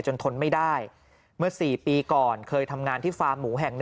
ทนไม่ได้เมื่อ๔ปีก่อนเคยทำงานที่ฟาร์มหมูแห่ง๑